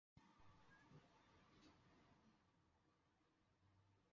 也可以用删除帧的办法提高运动速度。